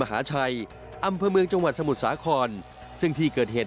กระสานรถยกเทื่อนยายรถกระบะออกจากจุดเกิดเหตุ